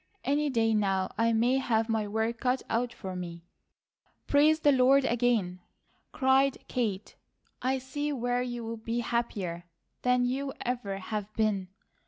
Any day now I may have my work cut out for me." "Praise the Lord again!" cried Kate. "I see where you will be happier than you ever have been.